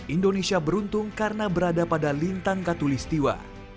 indonesia beruntung karena berada pada lintang katulistiwa